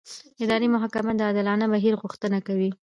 اداري محاکمه د عادلانه بهیر غوښتنه کوي.